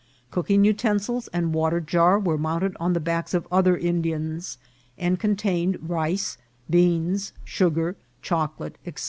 Cooking utensils and water jar were mounted on the backs of other Indians, and contained rice, beans, sugar, chocolate, &c.